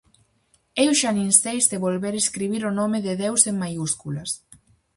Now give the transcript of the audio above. Eu xa nin sei se volver escribir o nome de Deus en maiúsculas.